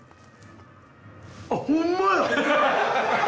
あっほんまや！